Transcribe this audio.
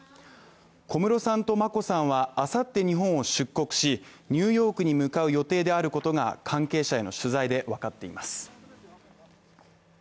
小室さんと眞子さんは明後日日本を出国しニューヨークに向かう予定であることが関係者への取材でわかっています。